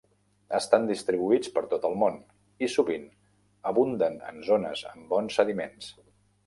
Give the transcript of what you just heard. Estan distribuïts per tot el món i sovint abunden en zones amb bons sediments.